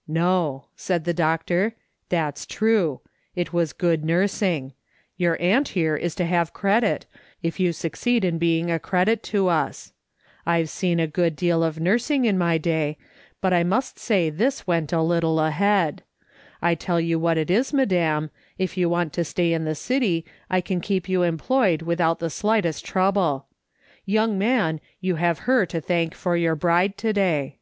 " No," said the doctor, " that's true. It was good nursing. Your aunt here is to have credit, if you succeed in being a credit to us. ' I've seen a good deal of nursing in my day, but I must say this went a little ahead. I tell you what it is, madam, if you want to stay in the city, I can keep you employed without the slightest trouble. Young man, you have her to thank for your bride to day."